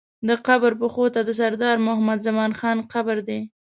د قبر پښو ته د سردار محمد زمان خان قبر دی.